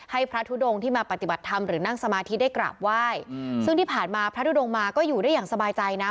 พระทุดงที่มาปฏิบัติธรรมหรือนั่งสมาธิได้กราบไหว้ซึ่งที่ผ่านมาพระทุดงมาก็อยู่ได้อย่างสบายใจนะ